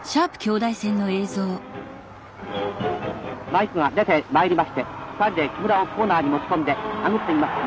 マイクが出てまいりましてつかんで木村をコーナーに持ち込んで殴っています。